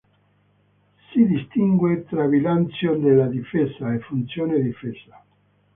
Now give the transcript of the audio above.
Si distingue tra "bilancio della Difesa" e "funzione Difesa".